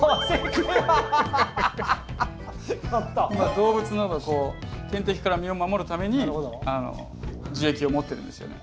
動物などの天敵から身を守るために樹液を持ってるんですよね。